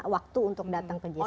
waktu untuk datang ke jaya